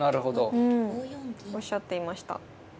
うんおっしゃっていました。